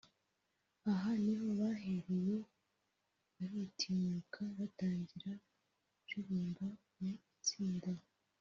Aha niho bahereye baritinyuka batangira kuririmba mu itsinda